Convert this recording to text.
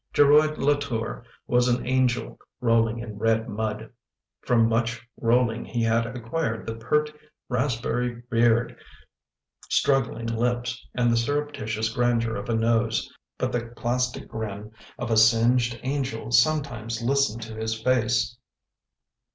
Geroid Latour was an angel rolling in red mud. From much rolling he had acquired the pert, raspberry beard, strug gling lips, and the surreptitious grandeur of a nose, but the plastic grin of a singed angel sometimes listened to his face.